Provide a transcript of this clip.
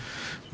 terima kasih pak